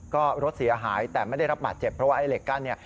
ก็รถเสียหายแต่ไม่ได้รับบาดเจ็บเพราะว่าไอ้เหล็กกั้นเนี่ย